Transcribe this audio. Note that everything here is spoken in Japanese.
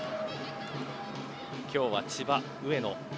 今日は、千葉、上野